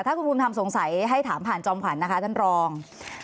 ถ้าคุณภูมิธรรมสงสัยให้ถามผ่านจอมขวัญนะคะท่านรอง